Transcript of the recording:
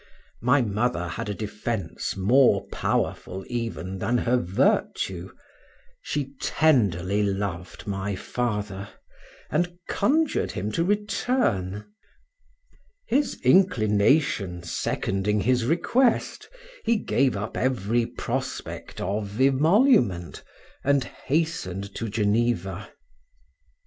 My mother had a defence more powerful even than her virtue; she tenderly loved my father, and conjured him to return; his inclination seconding his request, he gave up every prospect of emolument, and hastened to Geneva.